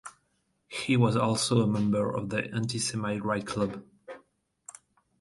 He was also a member of the anti-semite Right Club.